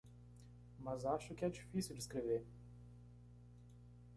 Mas acho que é difícil descrever